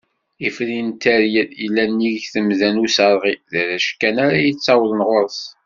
Ifri n Tteryel, yellan nnig Temda n Userɣi, d arrac kan ara yettawḍen ɣur-s.